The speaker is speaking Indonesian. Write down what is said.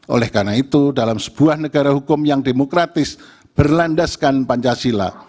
oleh karena itu dalam sebuah negara hukum yang demokratis berlandaskan pancasila